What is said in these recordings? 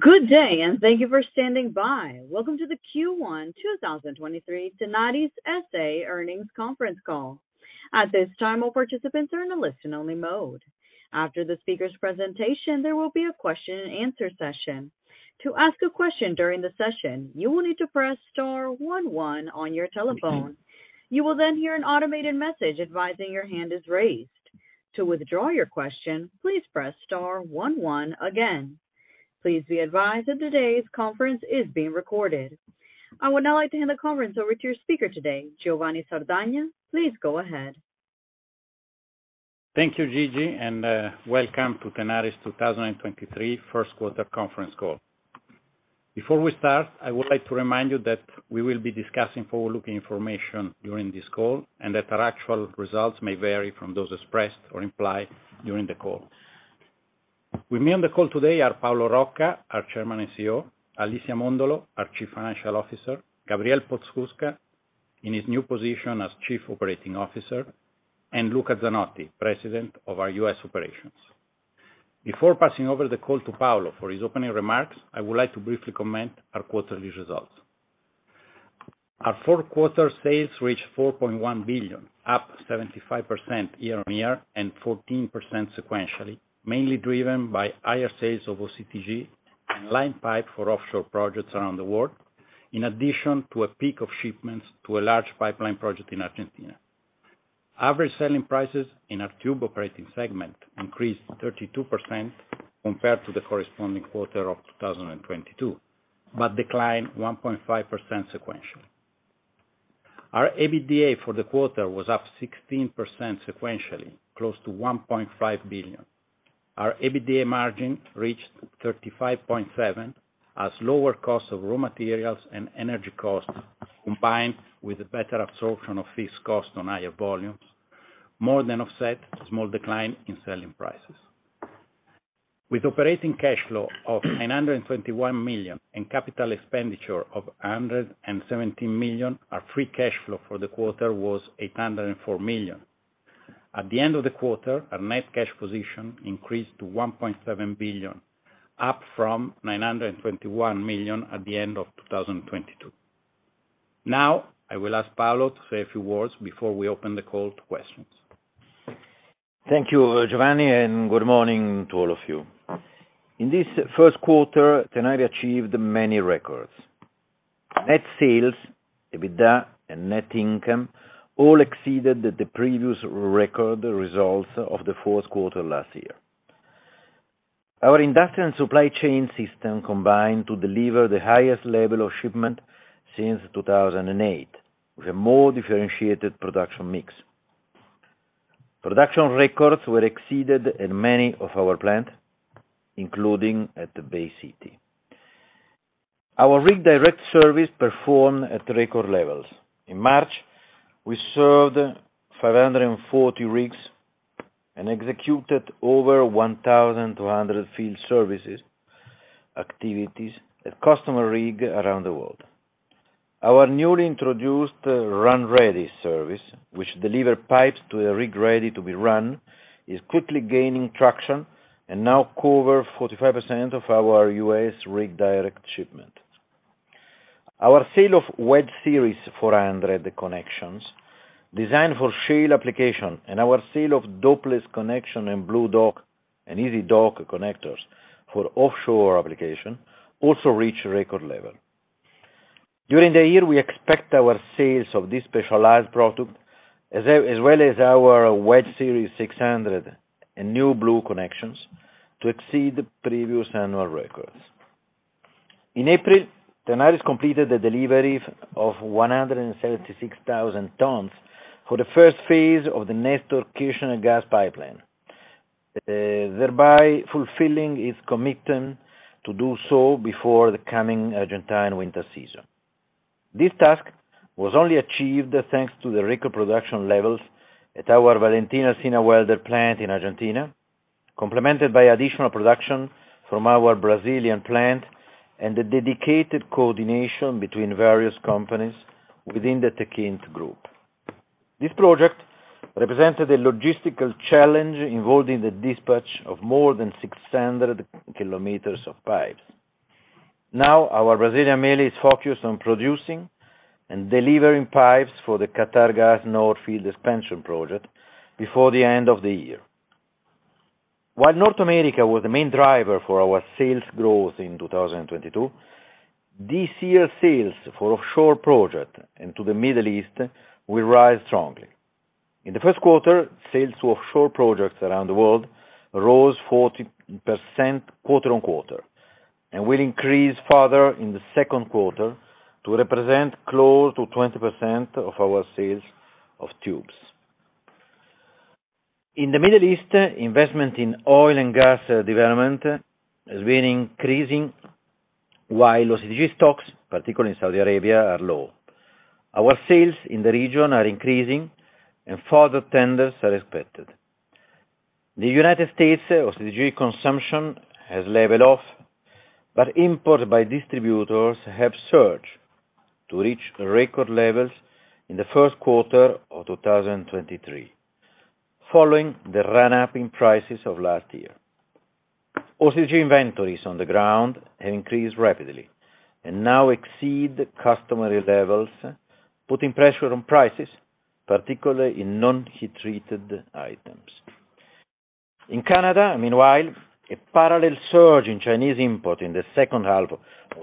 Good day. Thank you for standing by. Welcome to the Q1 2023 Tenaris SA Earnings conference call. At this time, all participants are in a listen only mode. After the speaker's presentation, there will be a question and answer session. To ask a question during the session, you will need to press star one one on your telephone. You will hear an automated message advising your hand is raised. To withdraw your question, please press star one one again. Please be advised that today's conference is being recorded. I would now like to hand the conference over to your speaker today, Giovanni Sardagna. Please go ahead. Thank you, Gigi. Welcome to Tenaris' 2023 first quarter conference call. Before we start, I would like to remind you that we will be discussing forward-looking information during this call and that our actual results may vary from those expressed or implied during the call. With me on the call today are Paolo Rocca, our Chairman and CEO, Alicia Mondolo, our Chief Financial Officer, Gabriel Podskubka in his new position as Chief Operating Officer, and Luca Zanotti, President of our U.S. operations. Before passing over the call to Paolo for his opening remarks, I would like to briefly comment our quarterly results. Our fourth quarter sales reached $4.1 billion, up 75% year-on-year and 14% sequentially, mainly driven by higher sales of OCTG and line pipe for offshore projects around the world, in addition to a peak of shipments to a large pipeline project in Argentina. Average selling prices in our tube operating segment increased 32% compared to the corresponding quarter of 2022, declined 1.5% sequentially. Our EBITDA for the quarter was up 16% sequentially, close to $1.5 billion. Our EBITDA margin reached 35.7%, as lower costs of raw materials and energy costs, combined with a better absorption of fixed costs on higher volumes, more than offset small decline in selling prices. With operating cash flow of $921 million and CapEx of $117 million, our free cash flow for the quarter was $804 million. At the end of the quarter, our net cash position increased to $1.7 billion, up from $921 million at the end of 2022. Now, I will ask Paolo Rocca to say a few words before we open the call to questions. Thank you, Giovanni. Good morning to all of you. In this first quarter, Tenaris achieved many records. Net sales, EBITDA, and net income all exceeded the previous record results of the fourth quarter last year. Our industrial and supply chain system combined to deliver the highest level of shipment since 2008, with a more differentiated production mix. Production records were exceeded in many of our plant, including at Bay City. Our Rig Direct service performed at record levels. In March, we served 540 rigs and executed over 1,200 field services activities at customer rig around the world. Our newly introduced RunReady service, which deliver pipes to a rig ready to be run, is quickly gaining traction and now cover 45% of our U.S. Rig Direct shipment. Our sale of Wedge Series 400 Connections designed for shale application and our sale of Dopeless connection and BlueDock and EasyDock connectors for offshore application also reached record level. During the year, we expect our sales of this specialized product, as well as our Wedge Series 600 and new Blue Connections to exceed previous annual records. In April, Tenaris completed the delivery of 176,000 tons for the first phase of the Néstor Kirchner Gas Pipeline, thereby fulfilling its commitment to do so before the coming Argentine winter season. This task was only achieved thanks to the record production levels at our Valentín Sáenz plant in Argentina, complemented by additional production from our Brazilian plant and the dedicated coordination between various companies within the Techint group. This project represented a logistical challenge involving the dispatch of more than 600 kilometers of pipes. Now, our Brazilian mill is focused on producing and delivering pipes for the Qatargas North Field expansion project before the end of the year. While North America was the main driver for our sales growth in 2022, this year's sales for offshore project and to the Middle East will rise strongly. In the first quarter, sales to offshore projects around the world rose 40% quarter-on-quarter and will increase further in the second quarter to represent close to 20% of our sales of tubes. In the Middle East, investment in oil and gas development has been increasing, while OCTG stocks, particularly in Saudi Arabia, are low. Our sales in the region are increasing and further tenders are expected. The U.S. OCTG consumption has leveled off, but imports by distributors have surged to reach record levels in the first quarter of 2023. Following the run up in prices of last year. OCTG inventories on the ground have increased rapidly and now exceed customary levels, putting pressure on prices, particularly in non-heat treated items. In Canada, meanwhile, a parallel surge in Chinese import in the second half of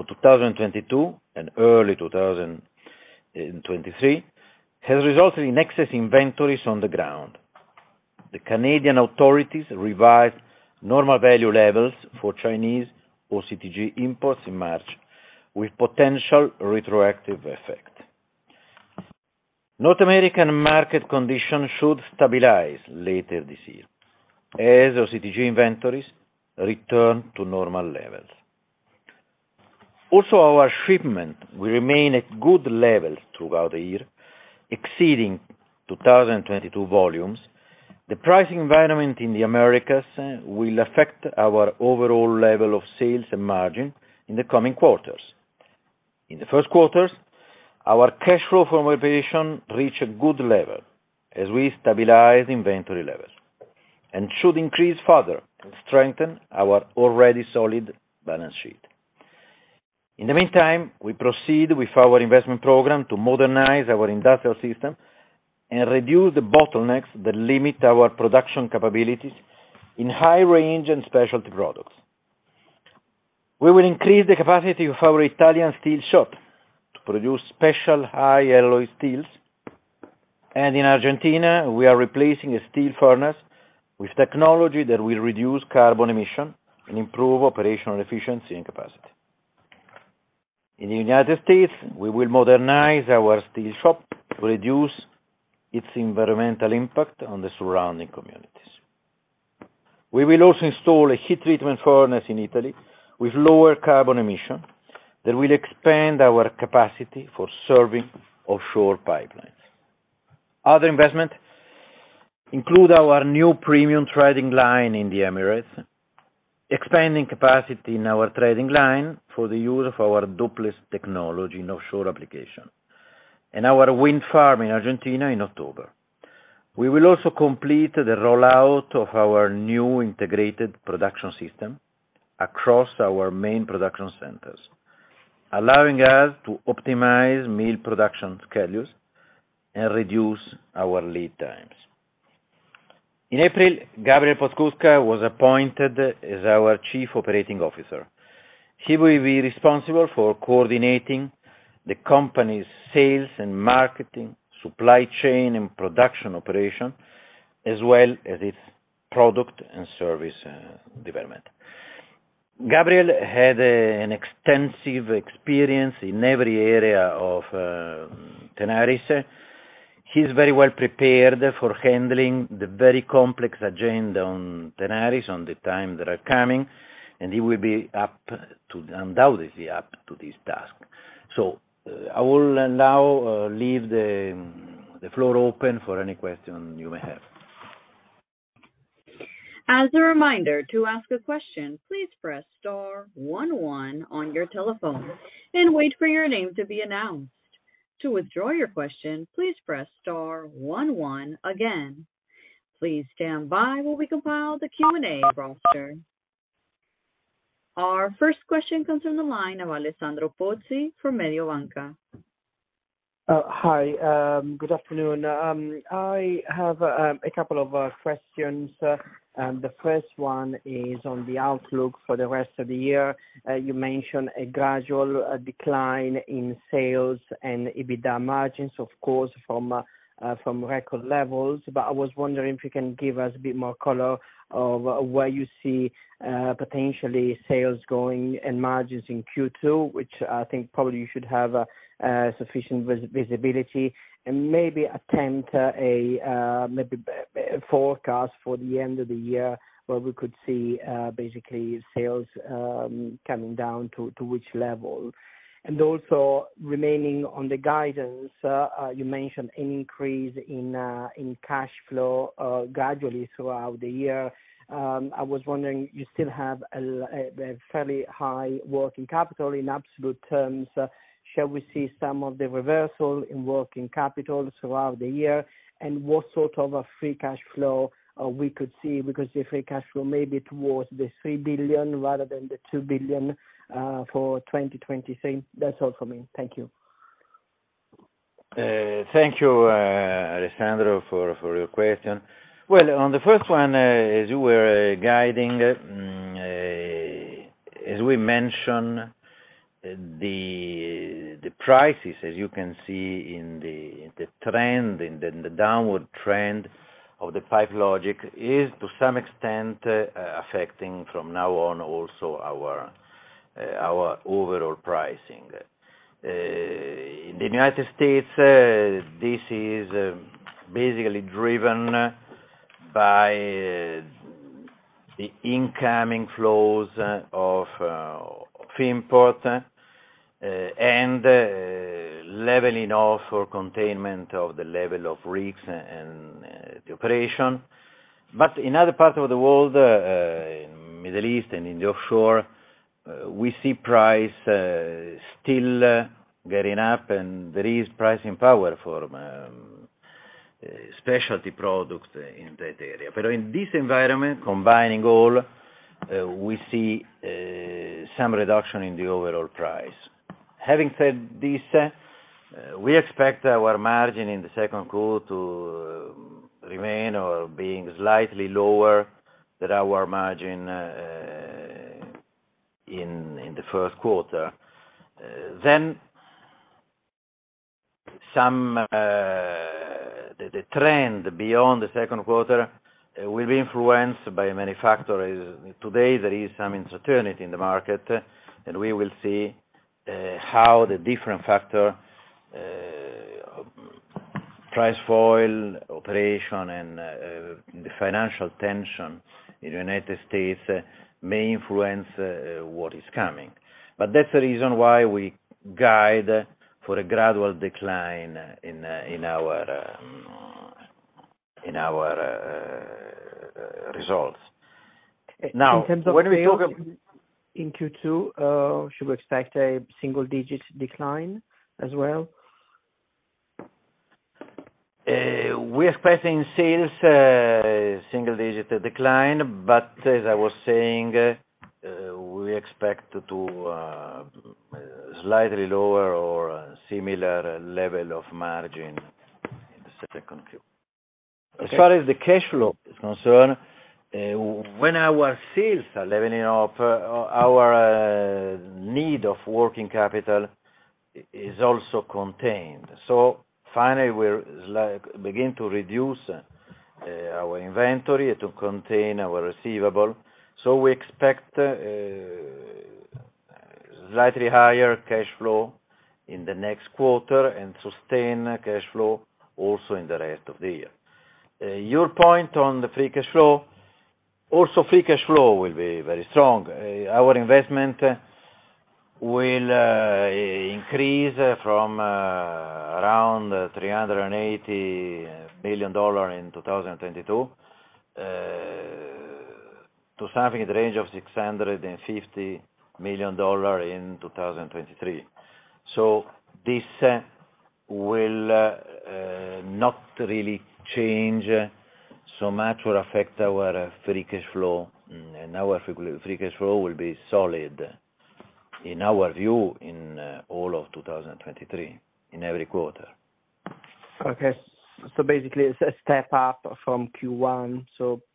2022 and early 2023, has resulted in excess inventories on the ground. The Canadian authorities revised normal value levels for Chinese OCTG imports in March, with potential retroactive effect. North American market conditions should stabilize later this year as OCTG inventories return to normal levels. Our shipment will remain at good levels throughout the year, exceeding 2022 volumes. The pricing environment in the Americas will affect our overall level of sales and margin in the coming quarters. In the first quarters, our cash flow from operation reached a good level as we stabilize inventory levels, and should increase further and strengthen our already solid balance sheet. In the meantime, we proceed with our investment program to modernize our industrial system and reduce the bottlenecks that limit our production capabilities in high range and specialty products. We will increase the capacity of our Italian steel shop to produce special high alloy steels. In Argentina, we are replacing a steel furnace with technology that will reduce carbon emission and improve operational efficiency and capacity. In the United States, we will modernize our steel shop to reduce its environmental impact on the surrounding communities. We will also install a heat treatment furnace in Italy with lower carbon emission that will expand our capacity for serving offshore pipelines. Other investment include our new premium threading line in the Emirates, expanding capacity in our threading line for the use of our Dopeless technology in offshore application, and our wind farm in Argentina in October. We will also complete the rollout of our new integrated production system across our main production centers, allowing us to optimize mill production schedules and reduce our lead times. In April, Gabriel Podskubka was appointed as our Chief Operating Officer. He will be responsible for coordinating the company's sales and marketing, supply chain and production operation, as well as its product and service development. Gabriel had an extensive experience in every area of Tenaris. He's very well prepared for handling the very complex agenda on Tenaris on the time that are coming, and he will be undoubtedly up to this task. I will now leave the floor open for any question you may have. As a reminder, to ask a question, please press star one one on your telephone and wait for your name to be announced. To withdraw your question, please press star one one again. Please stand by while we compile the Q&A roster. Our first question comes from the line of Alessandro Pozzi from Mediobanca. Hi, good afternoon. I have a couple of questions. The first one is on the outlook for the rest of the year. You mentioned a gradual decline in sales and EBITDA margins, of course, from record levels. I was wondering if you can give us a bit more color of where you see potentially sales going and margins in Q2, which I think probably you should have sufficient visibility. Maybe attempt a maybe a forecast for the end of the year where we could see basically sales coming down to which level. Also remaining on the guidance, you mentioned an increase in cash flow gradually throughout the year. I was wondering, you still have a fairly high working capital in absolute terms. Shall we see some of the reversal in working capital throughout the year? What sort of a free cash flow we could see, because the free cash flow may be towards the $3 billion rather than the $2 billion for 2023? That's all from me. Thank you. Thank you, Alessandro, for your question. Well, on the first one, as you were guiding, as we mentioned, the prices, as you can see in the trend, in the downward trend of the Pipe Logix is to some extent, affecting from now on also our overall pricing. In the United States, this is basically driven by the incoming flows of free import, and leveling off or containment of the level of rigs and the operation. In other parts of the world, in Middle East and in the offshore, we see price still getting up, and there is pricing power for specialty products in that area. In this environment, combining all, we see some reduction in the overall price. Having said this, we expect our margin in the second quarter to remain or being slightly lower than our margin in the first quarter. The trend beyond the second quarter will be influenced by many factors. Today, there is some uncertainty in the market, we will see how the different factor, price for oil, operation, and the financial tension in United States may influence what is coming. That's the reason why we guide for a gradual decline in our results. In terms of sales in Q2, should we expect a single digit decline as well? We're expecting sales, single-digit decline, but as I was saying, we expect to slightly lower or similar level of margin in the second quarter. As far as the cash flow is concerned, when our sales are leveling off, our need of working capital is also contained. Finally we'll begin to reduce our inventory to contain our receivable. We expect slightly higher cash flow in the next quarter and sustain cash flow also in the rest of the year. Your point on the free cash flow, also free cash flow will be very strong. Our investment will increase from around $380 million in 2022 to something in the range of $650 million in 2023. This will not really change so much will affect our free cash flow, and our free cash flow will be solid in our view in all of 2023 in every quarter. Okay. Basically it's a step up from Q1,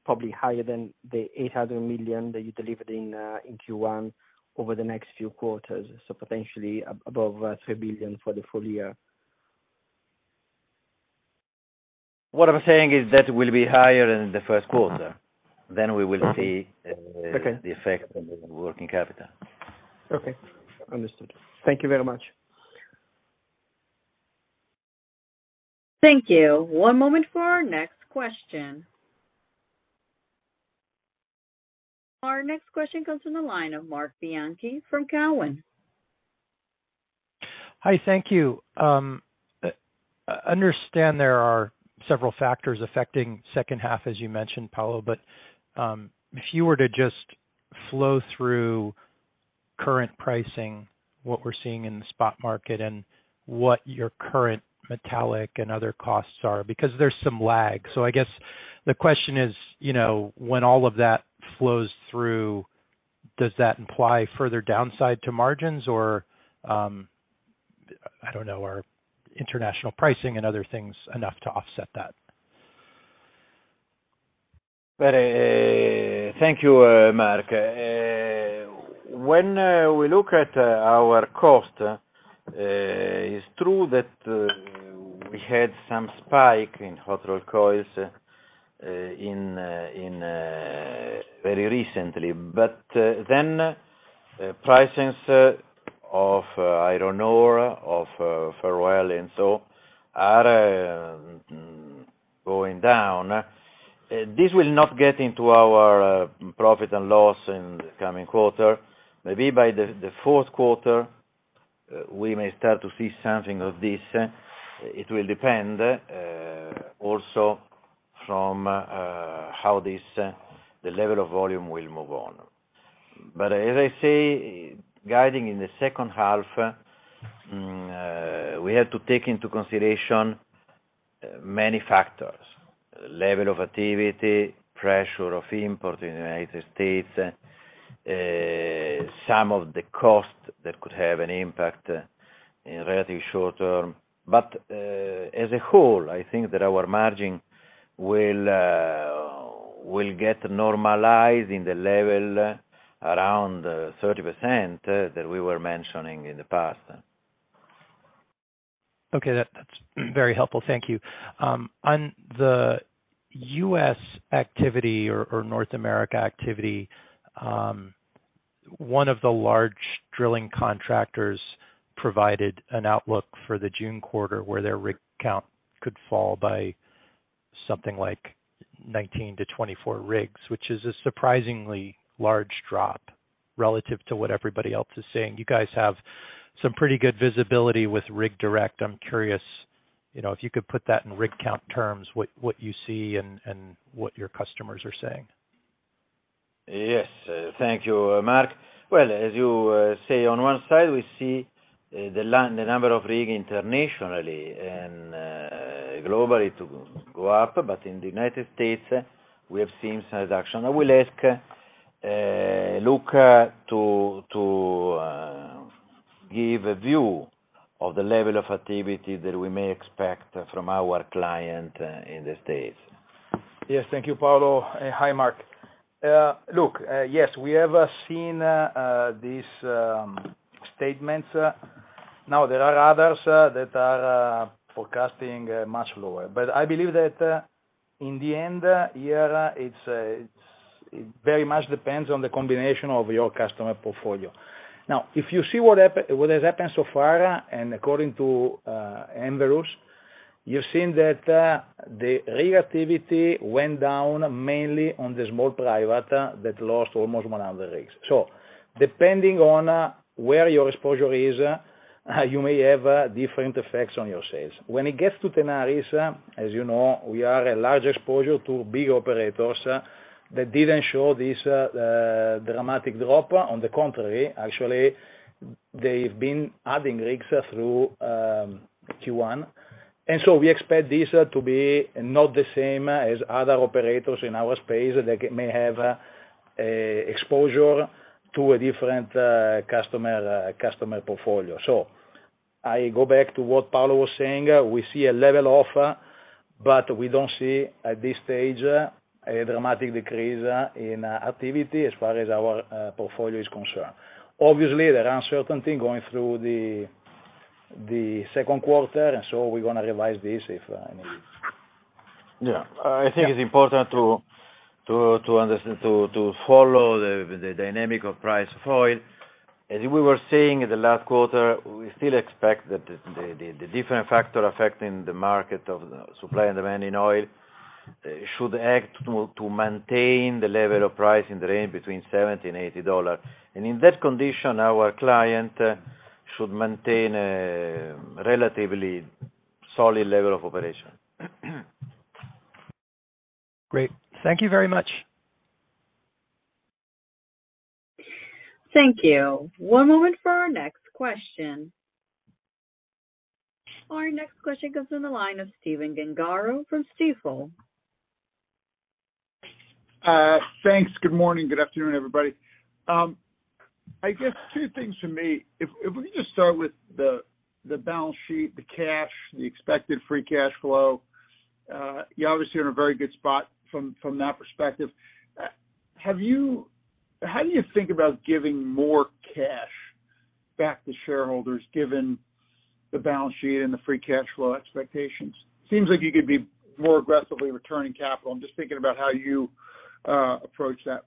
probably higher than the $800 million that you delivered in Q1 over the next few quarters. Potentially above, $3 billion for the full year? What I'm saying is that will be higher in the first quarter, then we will see. Okay the effect on the working capital. Okay. Understood. Thank you very much. Thank you. One moment for our next question. Our next question comes from the line of Marc Bianchi from Cowen. Hi. Thank you. understand there are several factors affecting second half, as you mentioned, Paolo, if you were to just flow through current pricing, what we're seeing in the spot market and what your current metallic and other costs are, because there's some lag. I guess the question is, you know, when all of that flows through, does that imply further downside to margins or, I don't know, are international pricing and other things enough to offset that? Very. Thank you, Marc. When we look at our cost, it's true that we had some spike in hot rolled coils very recently. Pricings of iron ore, of ferroalloy and so are going down. This will not get into our profit and loss in the coming quarter. Maybe by the fourth quarter, we may start to see something of this. It will depend also from how the level of volume will move on. As I say, guiding in the second half, we have to take into consideration many factors. Level of activity, pressure of import in United States, some of the costs that could have an impact in relatively short term. As a whole, I think that our margin will get normalized in the level around 30% that we were mentioning in the past. Okay. That's very helpful. Thank you. On the U.S. activity or North America activity, one of the large drilling contractors provided an outlook for the June quarter where their rig count could fall by something like 19-24 rigs, which is a surprisingly large drop relative to what everybody else is saying. You guys have some pretty good visibility with Rig Direct. I'm curious You know, if you could put that in rig count terms, what you see and what your customers are saying? Yes. Thank you, Mark. Well, as you say on one side, we see the number of rig internationally and globally to go up. In the United States, we have seen some reduction. I will ask Luca to give a view of the level of activity that we may expect from our client in the States. Yes. Thank you, Paolo. Hi, Marc. Look, yes, we have seen these statements. There are others that are forecasting much lower. I believe that in the end, yeah, it very much depends on the combination of your customer portfolio. If you see what has happened so far, and according to Enverus, you're seeing that the rig activity went down mainly on the small private that lost almost 100 rigs. Depending on where your exposure is, you may have different effects on your sales. When it gets to Tenaris, as you know, we are a large exposure to big operators that didn't show this dramatic drop. On the contrary, actually, they've been adding rigs through Q1. We expect this to be not the same as other operators in our space that may have exposure to a different customer customer portfolio. I go back to what Paolo was saying. We see a level off, but we don't see at this stage a dramatic decrease in activity as far as our portfolio is concerned. Obviously, there are uncertainty going through the second quarter, we're gonna revise this if need be. Yeah. I think it's important to understand, to follow the dynamic of price of oil. As we were saying in the last quarter, we still expect that the different factor affecting the market of supply and demand in oil should act to maintain the level of price in the range between $70 and $80. In that condition, our client should maintain a relatively solid level of operation. Great. Thank you very much. Thank you. One moment for our next question. Our next question comes in the line of Stephen Gengaro from Stifel. Thanks. Good morning. Good afternoon, everybody. I guess two things for me. If we can just start with the balance sheet, the cash, the expected free cash flow, you're obviously in a very good spot from that perspective. How do you think about giving more cash back to shareholders given the balance sheet and the free cash flow expectations? Seems like you could be more aggressively returning capital. I'm just thinking about how you approach that.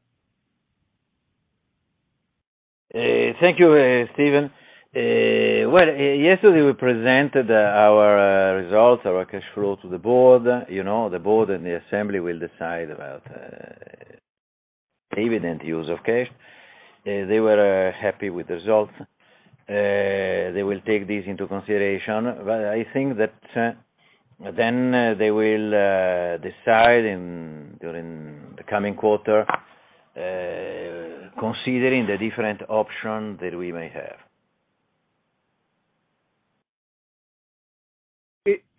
Thank you, Steven. Well, yesterday, we presented our results, our cash flow to the board. You know, the board and the assembly will decide about dividend use of cash. They were happy with the results. They will take this into consideration. I think that then they will decide in during the coming quarter, considering the different option that we may have.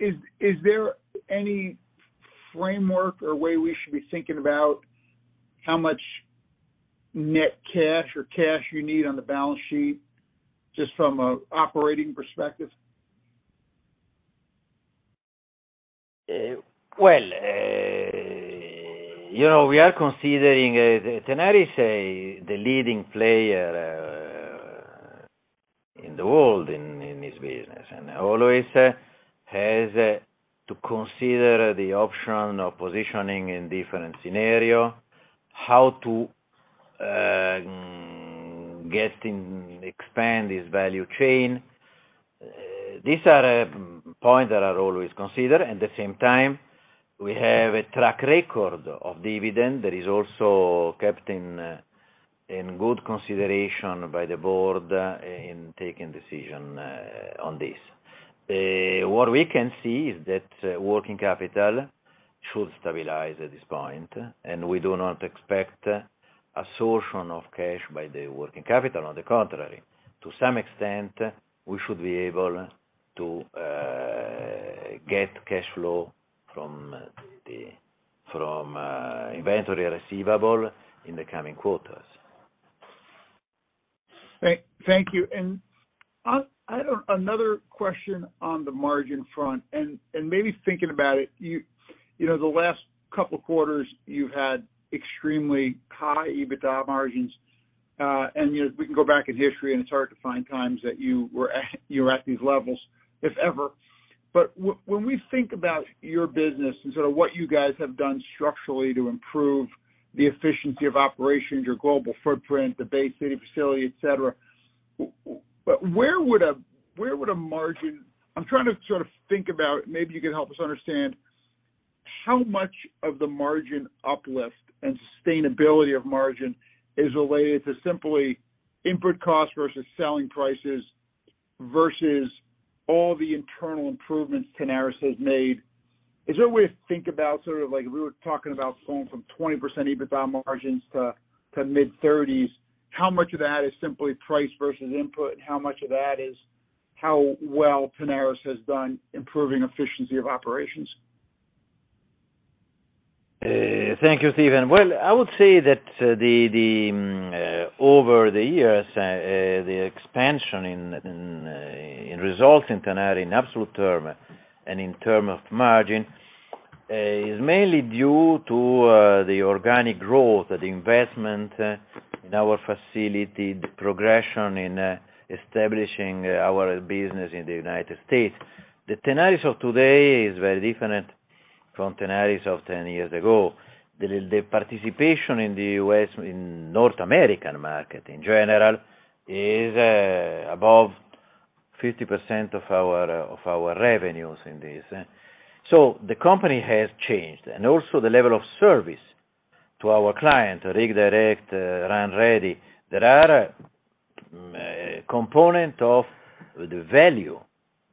Is there any framework or way we should be thinking about how much net cash or cash you need on the balance sheet just from a operating perspective? Well, you know, we are considering Tenaris the leading player in the world in this business, and always has to consider the option of positioning in different scenario, how to get and expand this value chain. These are points that are always considered. At the same time, we have a track record of dividend that is also kept in good consideration by the board in taking decision on this. What we can see is that working capital should stabilize at this point, and we do not expect a source of cash by the working capital. On the contrary, to some extent, we should be able to get cash flow from the from inventory receivable in the coming quarters. Thank you. I had another question on the margin front and, maybe thinking about it, you know, the last couple of quarters, you've had extremely high EBITDA margins. You know, we can go back in history, and it's hard to find times that you were at these levels, if ever. When we think about your business and sort of what you guys have done structurally to improve the efficiency of operations, your global footprint, the Bay City facility, et cetera, but where would a margin. I'm trying to sort of think about, maybe you can help us understand. How much of the margin uplift and sustainability of margin is related to simply input cost versus selling prices versus all the internal improvements Tenaris has made? Is there a way to think about sort of like we were talking about going from 20% EBITDA margins to mid-30s, how much of that is simply price versus input? How much of that is how well Tenaris has done improving efficiency of operations? Thank you, Stephen. Well, I would say that the over the years, the expansion in results in Tenaris in absolute term and in term of margin, is mainly due to the organic growth, the investment in our facility, the progression in establishing our business in the U.S. The Tenaris of today is very different from Tenaris of 10 years ago. The participation in the U.S., in North American market in general is above 50% of our revenues in this. The company has changed. Also the level of service to our client, Rig Direct, RunReady. There are component of the value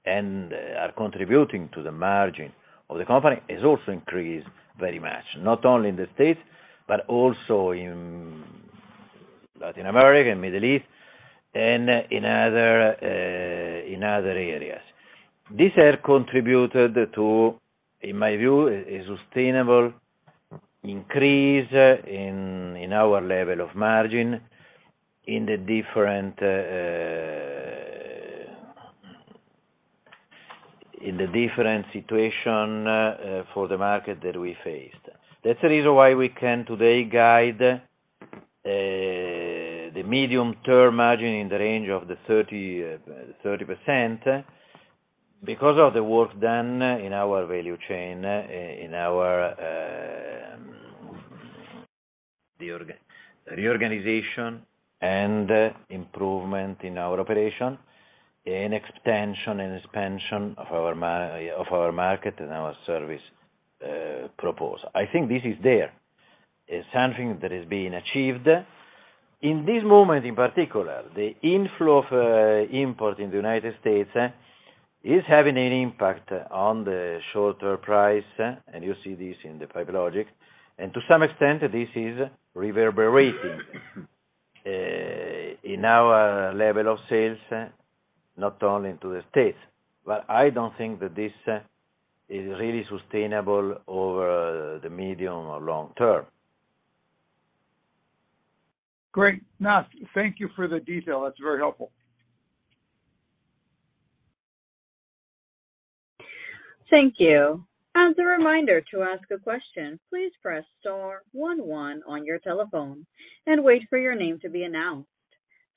and are contributing to the margin of the company has also increased very much, not only in the States, but also in Latin America and Middle East and in other areas. These have contributed to, in my view, a sustainable increase in our level of margin in the different situation for the market that we faced. That's the reason why we can today guide the medium-term margin in the range of the 30% because of the work done in our value chain, in our reorganization and improvement in our operation and expansion of our market and our service proposal. I think this is there. It's something that is being achieved. In this moment, in particular, the inflow of import in the United States, is having an impact on the short-term price, and you see this in the Pipe Logix. To some extent, this is reverberating, in our level of sales, not only to the States. I don't think that this, is really sustainable over the medium or long term. Great. No, thank you for the detail. That's very helpful. Thank you. As a reminder to ask a question, please press star one one on your telephone and wait for your name to be announced.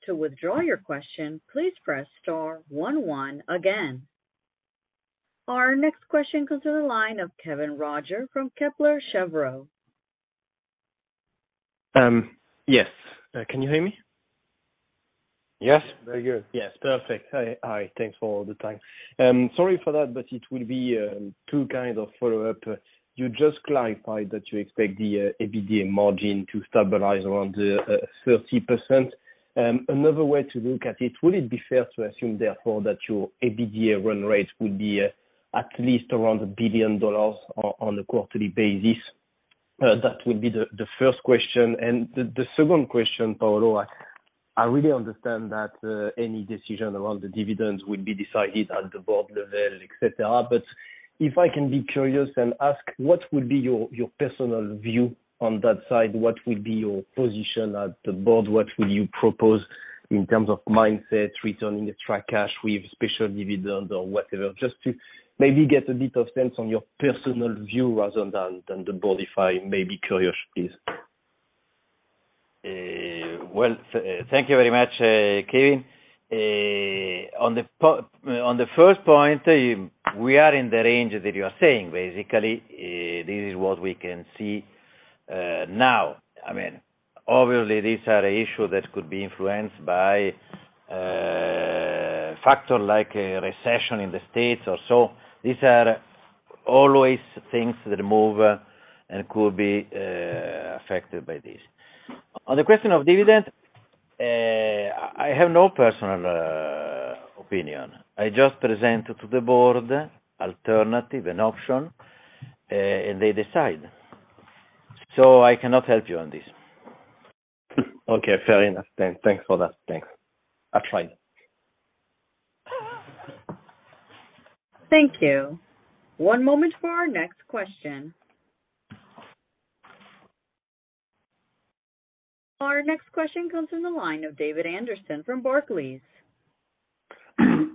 To withdraw your question, please press star one one again. Our next question comes to the line of Kevin Roger from Kepler Cheuvreux. Yes. Can you hear me? Yes. Very good. Yes. Perfect. Hi. Hi. Thanks for all the time. Sorry for that, but it will be two kind of follow-up. You just clarified that you expect the EBITDA margin to stabilize around 30%. Another way to look at it, would it be fair to assume therefore that your EBITDA run rate would be at least around $1 billion on a quarterly basis? That would be the first question. The second question, Paolo, I really understand that any decision around the dividends will be decided at the board level, et cetera. If I can be curious and ask, what would be your personal view on that side? What would be your position at the board? What will you propose in terms of mindset, returning the track cash with special dividends or whatever? Just to maybe get a bit of sense on your personal view rather than the board, if I may be curious, please. Well, thank you very much, Kevin. On the first point, we are in the range that you are saying. Basically, this is what we can see now. I mean, obviously these are issues that could be influenced by factor like a recession in the States or so. These are always things that move and could be affected by this. On the question of dividend, I have no personal opinion. I just present to the board alternative and option, and they decide. I cannot help you on this. Okay. Fair enough then. Thanks for that. Thanks. That's fine Thank you. One moment for our next question. Our next question comes from the line of David Anderson from Barclays.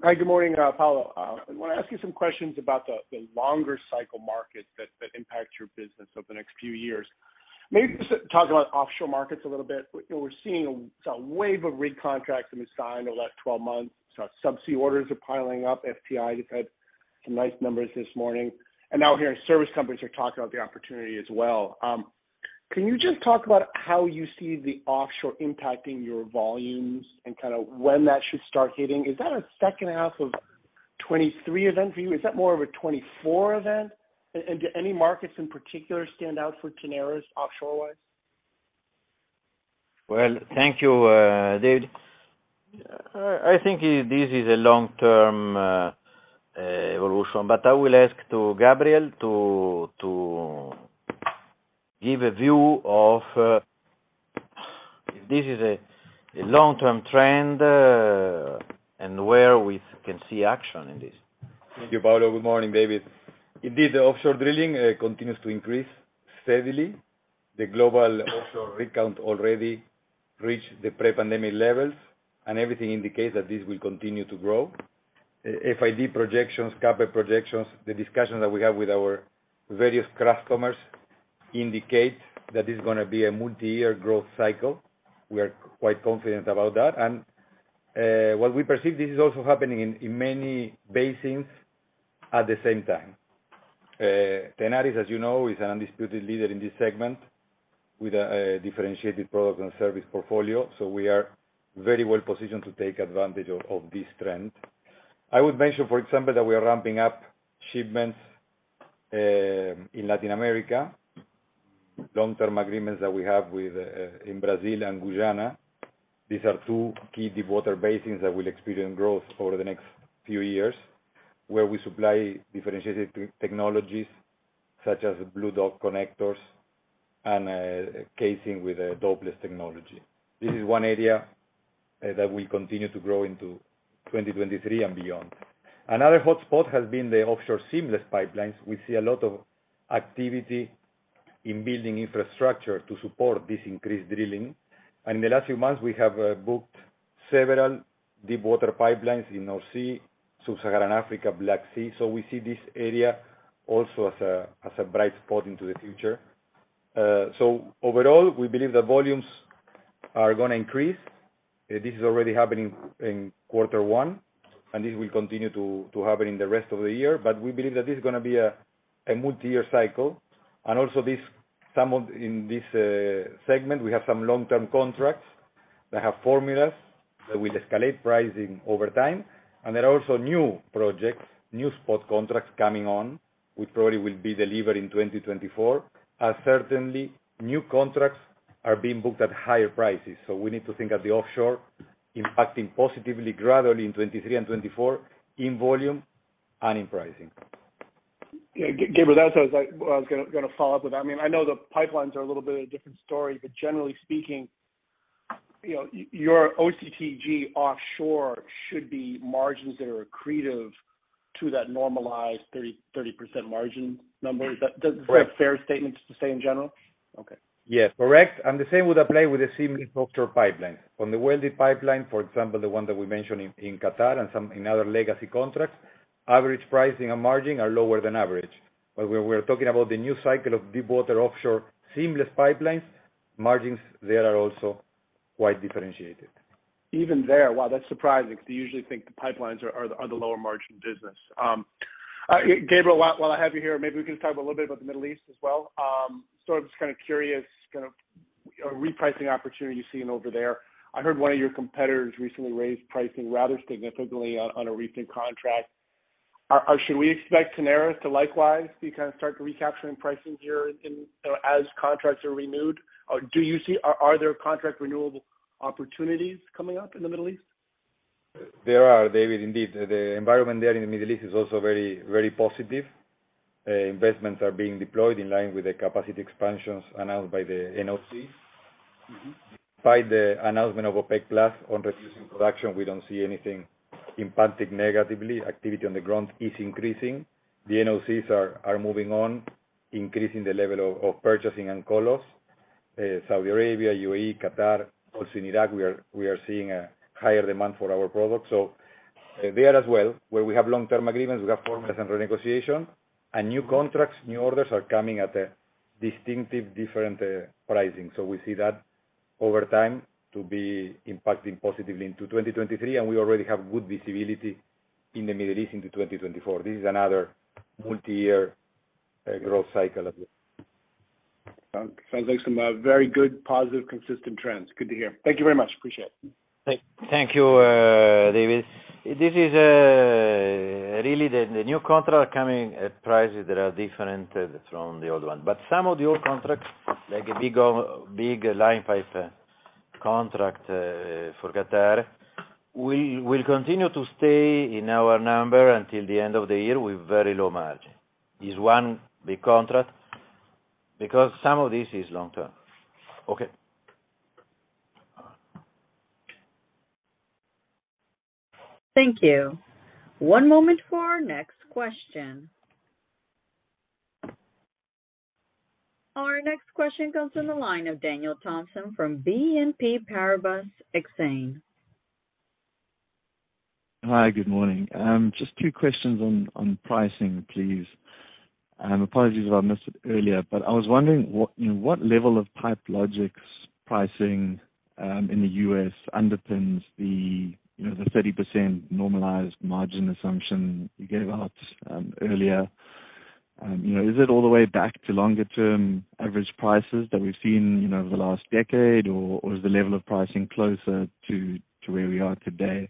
Hi, good morning, Paolo. I wanna ask you some questions about the longer cycle market that impacts your business over the next few years. Maybe just talk about offshore markets a little bit. We're seeing a wave of rig contracts that was signed the last 12 months. Subsea orders are piling up. FTI just had some nice numbers this morning. Now we're hearing service companies are talking about the opportunity as well. Can you just talk about how you see the offshore impacting your volumes and kind of when that should start hitting? Is that a second half of 2023 event for you? Is that more of a 2024 event? Do any markets in particular stand out for Tenaris offshore-wise? Well, thank you, David. I think this is a long-term evolution, but I will ask to Gabriel to give a view of, if this is a long-term trend, and where we can see action in this. Thank you, Paolo. Good morning, David. Indeed, the offshore drilling continues to increase steadily. The global offshore recount already reached the pre-pandemic levels, everything indicates that this will continue to grow. FID projections, CapEx projections, the discussions that we have with our various customers indicate that it's gonna be a multi-year growth cycle. We are quite confident about that. What we perceive, this is also happening in many basins at the same time. Tenaris, as you know, is an undisputed leader in this segment with a differentiated product and service portfolio. We are very well positioned to take advantage of this trend. I would mention, for example, that we are ramping up shipments in Latin America, long-term agreements that we have with in Brazil and Guyana. These are two key deep water basins that will experience growth over the next few years, where we supply differentiated technologies such as BlueDock connectors, and casing with a Dopeless® technology. This is one area that we continue to grow into 2023 and beyond. Another hotspot has been the offshore seamless pipelines. We see a lot of activity in building infrastructure to support this increased drilling. In the last few months, we have booked several deep water pipelines in North Sea, Sub-Saharan Africa, Black Sea. We see this area also as a bright spot into the future. Overall, we believe the volumes are gonna increase. This is already happening in Q1, and this will continue to happen in the rest of the year. We believe that this is gonna be a multi-year cycle. Also this, some of, in this segment, we have some long-term contracts that have formulas that will escalate pricing over time. There are also new projects, new spot contracts coming on, which probably will be delivered in 2024, as certainly new contracts are being booked at higher prices. We need to think of the offshore impacting positively gradually in 2023 and 2024 in volume and in pricing. Yeah, Gabriel, that's what I was like I was gonna follow up with that. I mean, I know the pipelines are a little bit of a different story, but generally speaking, you know, your OCTG offshore should be margins that are accretive to that normalized 30% margin number. Is that? Correct. Is that a fair statement to say in general? Okay. Yes, correct. The same would apply with the seamless offshore pipeline. On the welded pipeline, for example, the one that we mentioned in Qatar and some in other legacy contracts, average pricing and margin are lower than average. When we're talking about the new cycle of deep water offshore seamless pipelines, margins there are also quite differentiated. Even there? Wow, that's surprising, because you usually think the pipelines are the, are the lower margin business. Gabriel, while I have you here, maybe we can talk a little bit about the Middle East as well. So I'm just kind of curious, kind of repricing opportunity you're seeing over there. I heard one of your competitors recently raised pricing rather significantly on a recent contract. Are should we expect Tenaris to likewise kind of start recapturing pricing here in, you know, as contracts are renewed? Or do you see aree there contract renewable opportunities coming up in the Middle East? There are, David. Indeed, the environment there in the Middle East is also very, very positive. Investments are being deployed in line with the capacity expansions announced by the NOC. Mm-hmm. By the announcement of OPEC+ on reducing production, we don't see anything impacting negatively. Activity on the ground is increasing. The NOCs are moving on, increasing the level of purchasing and call-offs. Saudi Arabia, UAE, Qatar, also Iraq, we are seeing a higher demand for our products. There as well, where we have long-term agreements, we have formulas and renegotiation, and new contracts, new orders are coming at a distinctive different pricing. We see that over time to be impacting positively into 2023, and we already have good visibility in the Middle East into 2024. This is another multi-year growth cycle of this. Sounds like some very good, positive, consistent trends. Good to hear. Thank you very much. Appreciate it. Thank you, David. This is really the new contract coming at prices that are different from the old one. Some of the old contracts, like a big line pipe contract for Qatar, we will continue to stay in our number until the end of the year with very low margin. This one big contract, because some of this is long term. Okay. Thank you. One moment for our next question. Our next question comes from the line of Daniel Thomson from BNP Paribas Exane. Hi, good morning. Just two questions on pricing, please. Apologies if I missed it earlier, but I was wondering what, you know, what level of Pipe Logix pricing in the U.S. underpins the, you know, the 30% normalized margin assumption you gave out earlier. You know, is it all the way back to longer term average prices that we've seen, you know, over the last decade, or is the level of pricing closer to where we are today?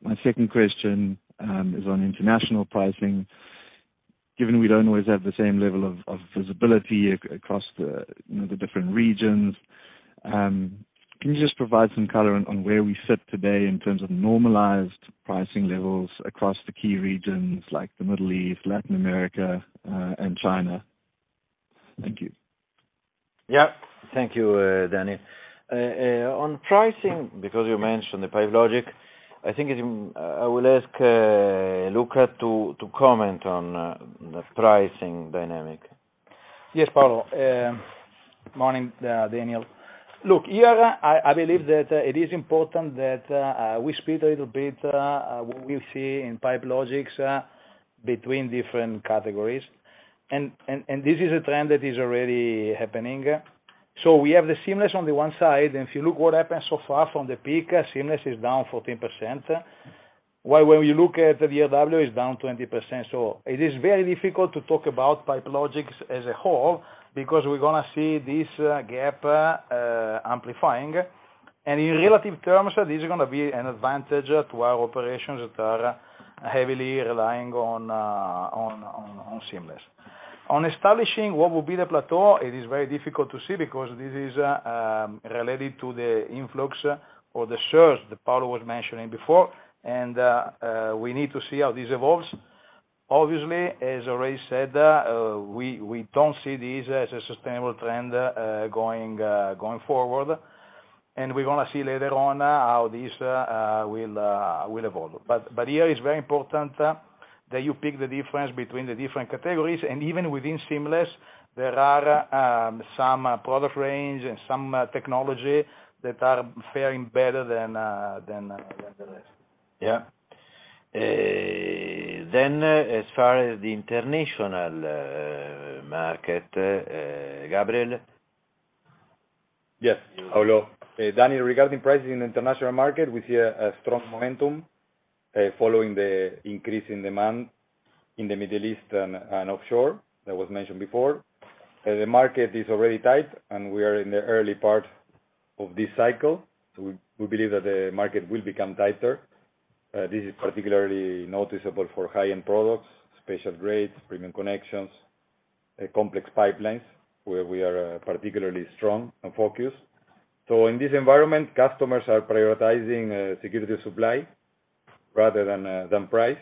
My second question is on international pricing. Given we don't always have the same level of visibility across the, you know, the different regions, can you just provide some color on where we sit today in terms of normalized pricing levels across the key regions like the Middle East, Latin America, and China? Thank you. Yeah. Thank you, Danny. on pricing, because you mentioned the Pipe Logix, I think it's I will ask Luca to comment on the pricing dynamic. Yes, Paolo. Morning, Daniel. Look, here I believe that it is important that we split a little bit what we see in Pipe Logix between different categories. This is a trend that is already happening. We have the seamless on the one side, and if you look what happened so far from the peak, seamless is down 14%. While when we look at the ERW, it's down 20%. It is very difficult to talk about Pipe Logix as a whole because we're gonna see this gap amplifying. In relative terms, this is gonna be an advantage to our operations that are heavily relying on seamless. On establishing what will be the plateau, it is very difficult to see because this is related to the influx or the surge that Paolo was mentioning before. We need to see how this evolves. Obviously, as already said, we don't see this as a sustainable trend, going forward, and we're gonna see later on how this will evolve. Here it's very important that you pick the difference between the different categories, and even within seamless there are some product range and some technology that are faring better than the rest. As far as the international market, Gabriel? Yes, Paolo. Daniel, regarding pricing in international market, we see a strong momentum following the increase in demand in the Middle East and offshore that was mentioned before. The market is already tight, and we believe that the market will become tighter. This is particularly noticeable for high-end products, special grades, premium connections, complex pipelines where we are particularly strong and focused. In this environment, customers are prioritizing security of supply rather than price.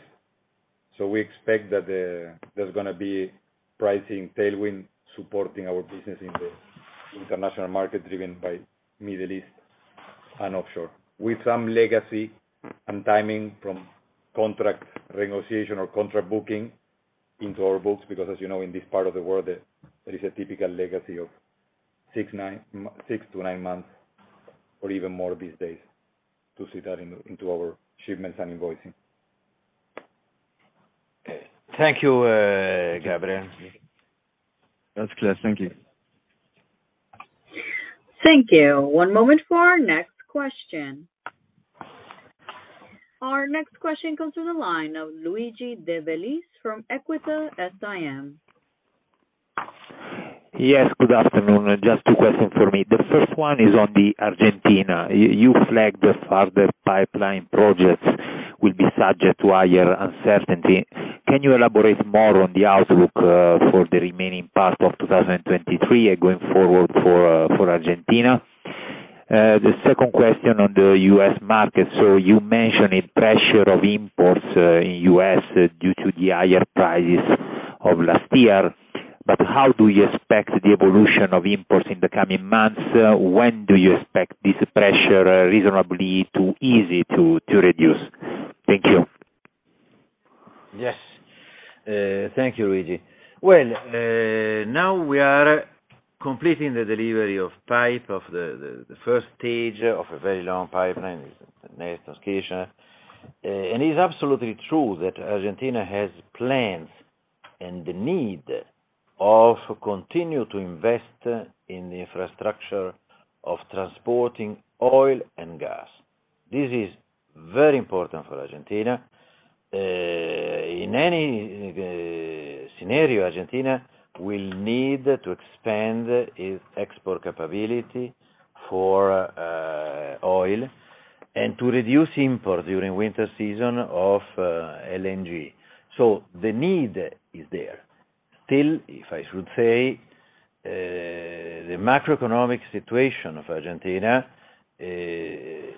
We expect that there's gonna be pricing tailwind supporting our business in the international market driven by Middle East and offshore. With some legacy and timing from contract renegotiation or contract booking into our books, because as you know, in this part of the world there is a typical legacy of 6-9 months or even more these days to see that into our shipments and invoicing. Thank you, Gabriel. That's clear. Thank you. Thank you. One moment for our next question. Our next question comes through the line of Luigi de Bellis from Equita SIM. Yes, good afternoon. Just two question from me. The first one is on the Argentina. You flagged thus far the pipeline projects will be subject to higher uncertainty. Can you elaborate more on the outlook for the remaining part of 2023 going forward for Argentina? The second question on the U.S. market. You mentioned a pressure of imports in U.S. due to the higher prices of last year, How do you expect the evolution of imports in the coming months? When do you expect this pressure reasonably to easy to reduce? Thank you. Yes. Thank you, Luigi. Well, now we are completing the delivery of pipe of the first stage of a very long pipeline with Néstor Kirchner. It's absolutely true that Argentina has plans and the need of continue to invest in the infrastructure of transporting oil and gas. This is very important for Argentina. In any scenario, Argentina will need to expand its export capability for oil and to reduce import during winter season of LNG. The need is there. Still, if I should say, the macroeconomic situation of Argentina is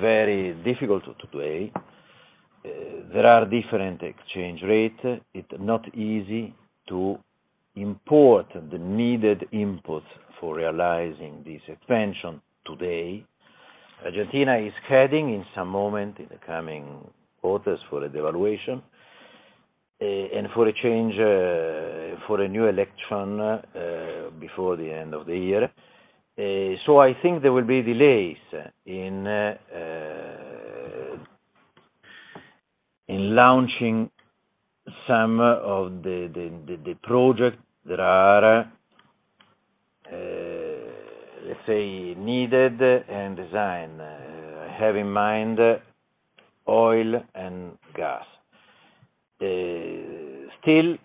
very difficult today. There are different exchange rate. It's not easy to import the needed imports for realizing this expansion today. Argentina is heading in some moment in the coming quarters for a devaluation, and for a change, for a new election, before the end of the year. I think there will be delays in in launching some of the project that are let's say, needed and design. Have in mind oil and gas. Still,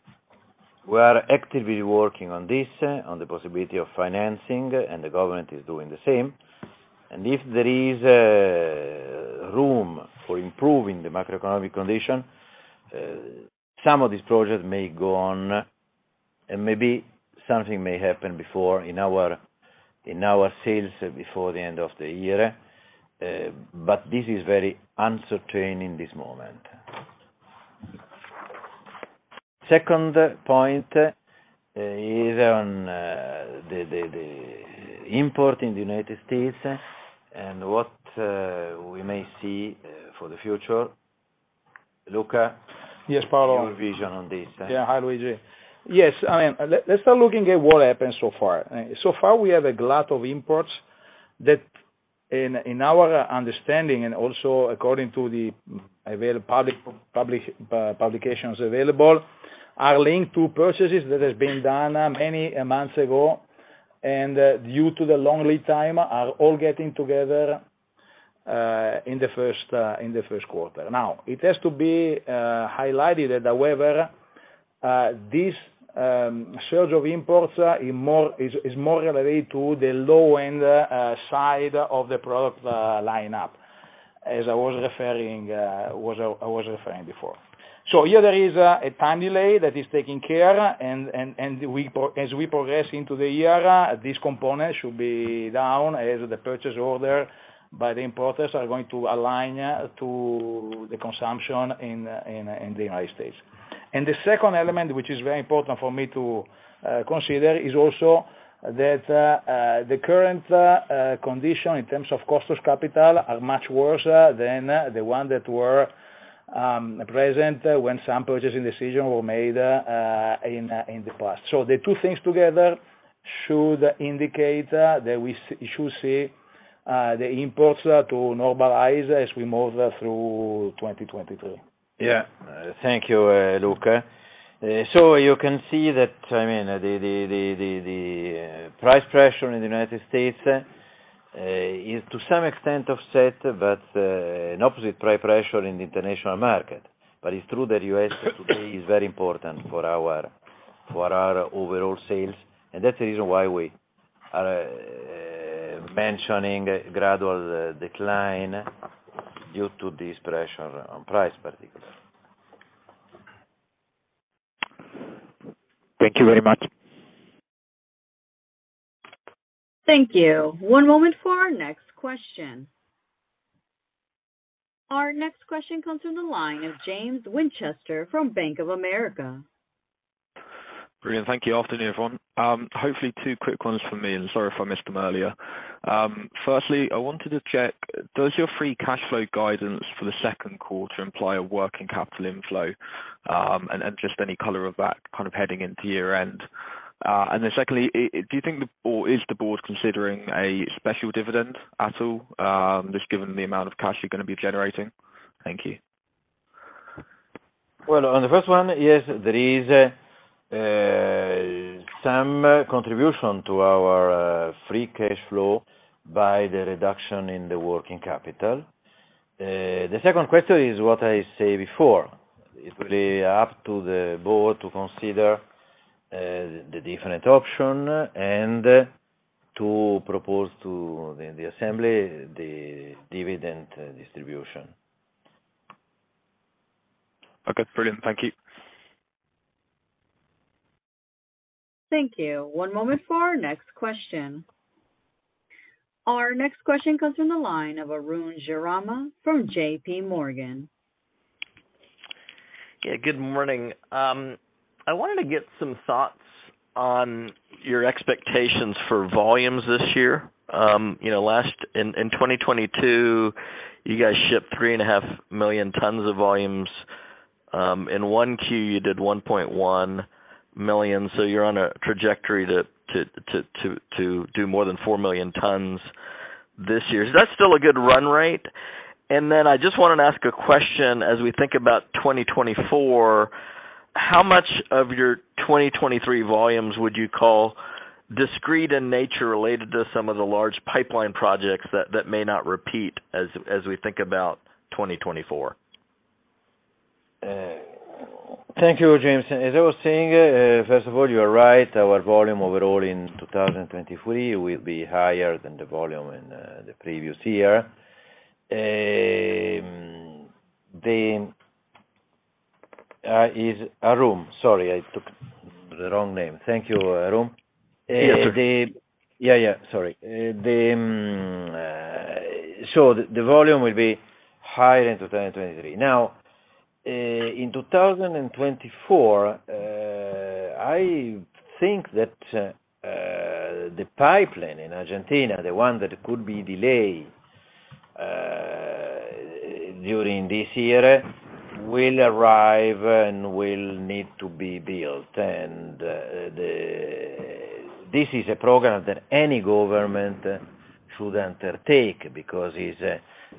we are actively working on this, on the possibility of financing, and the government is doing the same. If there is a room for improving the macroeconomic condition, some of these projects may go on, and maybe something may happen before in our sales before the end of the year. This is very uncertain in this moment. Second point is on, the import in the United States and what we may see for the future. Luca? Yes, Paolo. Your vision on this. Yeah. Hi, Luigi. Yes, I mean, let's start looking at what happened so far. So far, we have a glut of imports that in our understanding, and also according to the public publications available, are linked to purchases that has been done many months ago, and due to the long lead time, are all getting together in the first quarter. Now, it has to be highlighted that however, this surge of imports is more related to the low-end side of the product lineup, as I was referring before. Here, there is a time delay that is taking care, and we pro... as we progress into the year, this component should be down as the purchase order by the importers are going to align to the consumption in the United States. The second element, which is very important for me to consider, is also that the current condition in terms of cost of capital are much worse than the one that were present when some purchasing decision were made in the past. The two things together should indicate that we should see the imports to normalize as we move through 2023. Yeah. Thank you, Luca. You can see that, I mean, the price pressure in the United States is to some extent offset, an opposite price pressure in the international market. It's true that US today is very important for our, for our overall sales, and that's the reason why we are mentioning gradual decline due to this pressure on price particularly. Thank you very much. Thank you. One moment for our next question. Our next question comes from the line of James Winchester from Bank of America. Brilliant. Thank you. Afternoon, everyone. Hopefully two quick ones from me, and sorry if I missed them earlier. Firstly, I wanted to check, does your free cash flow guidance for the second quarter imply a working capital inflow, and just any color of that kind of heading into year-end? Secondly, is the board considering a special dividend at all, just given the amount of cash you're gonna be generating? Thank you. On the first one, yes, there is some contribution to our free cash flow by the reduction in the working capital. The second question is what I say before. It's really up to the board to consider, the different option and to propose to the assembly the dividend distribution. Okay. Brilliant. Thank you. Thank you. One moment for our next question. Our next question comes from the line of Arun Jayaram from JPMorgan. Yeah, good morning. I wanted to get some thoughts on your expectations for volumes this year. You know, in 2022, you guys shipped 3.5 million tons of volumes. In 1Q, you did 1.1 million, so you're on a trajectory to do more than 4 million tons this year. Is that still a good run rate? Then I just wanted to ask a question as we think about 2024, how much of your 2023 volumes would you call discrete in nature related to some of the large pipeline projects that may not repeat as we think about 2024? Thank you, James. As I was saying, first of all, you are right. Our volume overall in 2023 will be higher than the volume in the previous year. The is Arun. Sorry, I took the wrong name. Thank you, Arun. Yes, sir. Yeah, sorry. So the volume will be higher in 2023. Now, in 2024, I think that the pipeline in Argentina, the one that could be delayed during this year, will arrive and will need to be built. The, this is a program that any government should undertake because it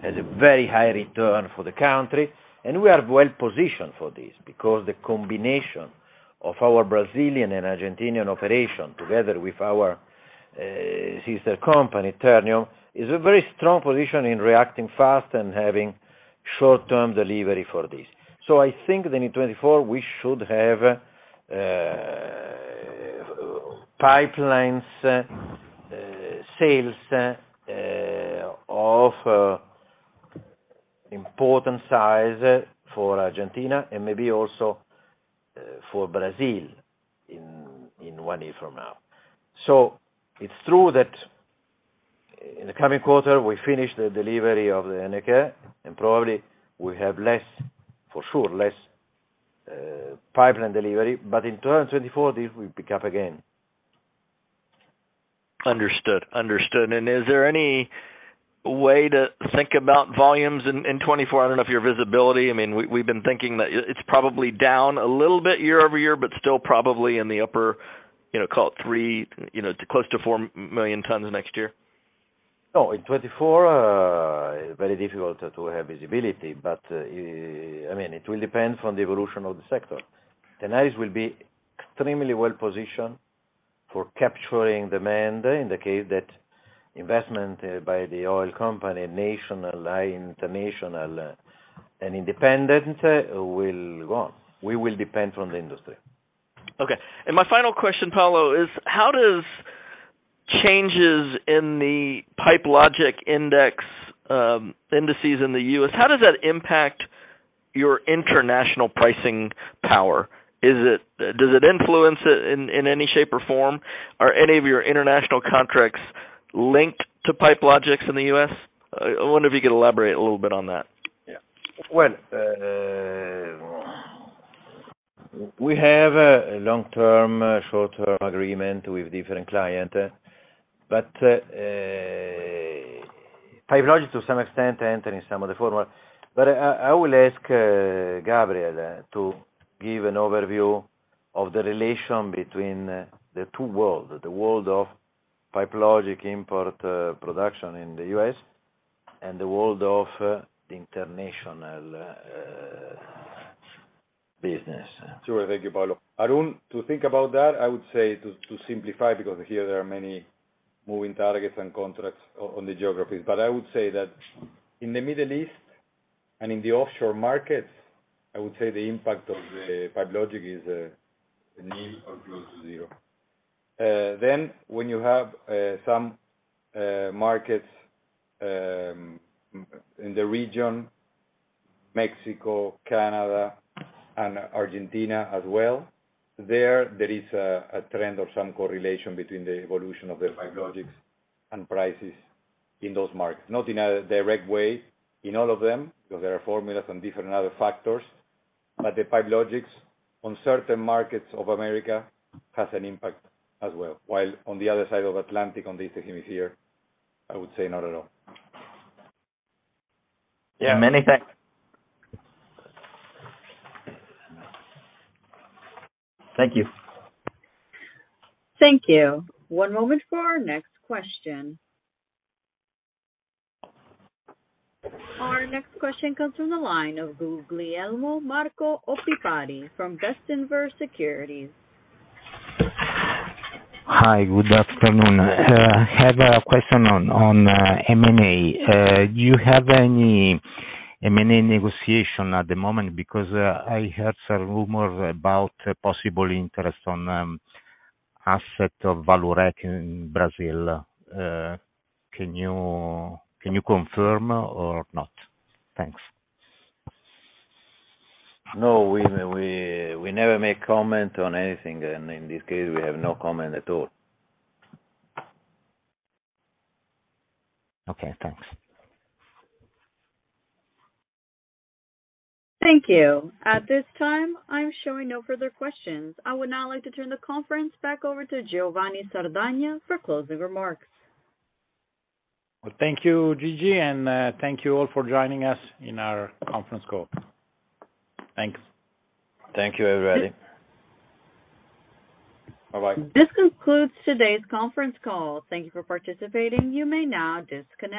has a very high return for the country, and we are well positioned for this because the combination of our Brazilian and Argentinian operation, together with our sister company, Ternium, is a very strong position in reacting fast and having short-term delivery for this. I think then in 2024, we should have pipelines sales of important size for Argentina and maybe also for Brazil in one year from now. It's true that in the coming quarter, we finish the delivery of the Energía Argentina, and probably we have less, for sure, less, pipeline delivery, but in 2020 and 2024, this will pick up again. Understood. Understood. Is there any way to think about volumes in 2024? I don't know of your visibility. I mean, we've been thinking that it's probably down a little bit year-over-year, but still probably in the upper, you know, call it three, you know, close to 4 million tons next year. In 2024, very difficult to have visibility, but, I mean, it will depend on the evolution of the sector. Tenaris will be extremely well positioned for capturing demand in the case that investment by the oil company, national, international, and independent will go on. We will depend on the industry. Okay. My final question, Paolo, is how does changes in the Pipe Logix index, indices in the U.S., how does that impact your international pricing power? Does it influence it in any shape or form? Are any of your international contracts linked to Pipe Logix in the U.S.? I wonder if you could elaborate a little bit on that. Well, we have a long-term, short-term agreement with different client, but Pipe Logix to some extent enter in some of the format. I will ask Gabriel to give an overview of the relation between the two world, the world of Pipe Logix import, production in the U.S. and the world of international business. Sure. Thank you, Paolo. Arun, to think about that, I would say to simplify because here there are many moving targets and contracts on the geographies. I would say that in the Middle East and in the offshore markets, I would say the impact of the Pipe Logix is nil or close to zero. When you have some markets in the region, Mexico, Canada, and Argentina as well, there is a trend or some correlation between the evolution of the Pipe Logix and prices in those markets. Not in a direct way in all of them, because there are formulas and different other factors, but the Pipe Logix on certain markets of America has an impact as well. While on the other side of Atlantic, on the ices here, I would say not at all. Yeah. Many thanks. Thank you. Thank you. One moment for our next question. Our next question comes from the line of Guglielmo Marco Opifari from Bestinver Securities. Hi. Good afternoon. I have a question on, M&A. Do you have any M&A negotiation at the moment? I heard some rumors about a possible interest on, asset of Vallourec in Brazil. Can you confirm or not? Thanks. No, we never make comment on anything. In this case, we have no comment at all. Okay, thanks. Thank you. At this time, I'm showing no further questions. I would now like to turn the conference back over to Giovanni Sardagna for closing remarks. Well, thank you, Gigi, thank you all for joining us in our conference call. Thanks. Thank you, everybody. Bye-bye. This concludes today's conference call. Thank you for participating. You may now disconnect.